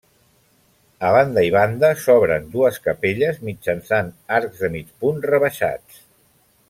A banda i banda, s'obren dues capelles mitjançant arcs de mig punt rebaixats.